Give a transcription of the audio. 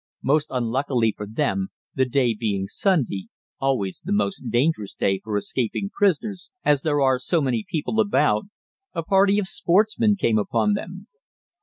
Most unluckily for them, the day being Sunday (always the most dangerous day for escaping prisoners, as there are so many people about), a party of sportsmen came upon them.